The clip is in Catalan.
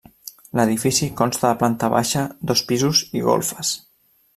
L'edifici consta de planta baixa, dos pisos i golfes.